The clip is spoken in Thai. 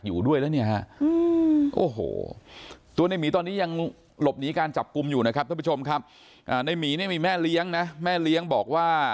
บอกแต่เขาไม่ยอมเลิก